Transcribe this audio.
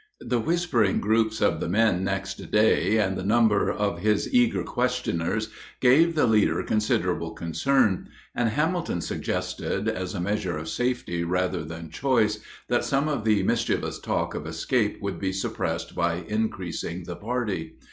The whispering groups of men next day, and the number of his eager questioners, gave the leader considerable concern; and Hamilton suggested, as a measure of safety rather than choice, that some of the mischievous talk of escape would be suppressed by increasing the party.